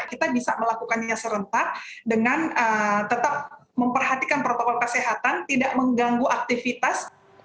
kita bisa melakukannya serentak dengan tetap memperhatikan protokol kesehatan tidak mengganggu aktivitas